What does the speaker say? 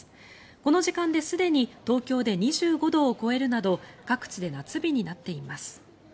この時間ですでに東京で２５度を超えるなど各地で夏日になっています。